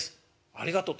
「ありがとう。